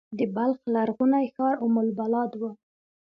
د بلخ لرغونی ښار ام البلاد و